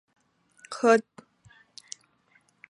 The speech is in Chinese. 三个行星都具有相当发达的科技。